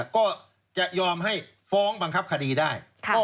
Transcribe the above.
ก็จะยอมให้ฟ้องบังคับคดีได้